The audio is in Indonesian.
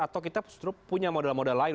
atau kita justru punya modal modal lain